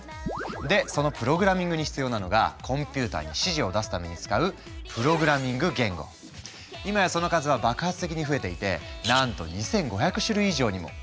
でそのプログラミングに必要なのがコンピューターに指示を出すために使う今やその数は爆発的に増えていてなんと２，５００種類以上にも。